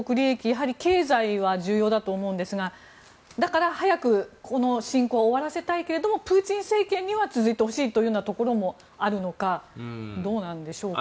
やはり経済は重要だと思うんですがだから、早くこの侵攻を終わらせたいけれどもプーチン政権には続いてほしいというところもあるのかどうなんでしょうか。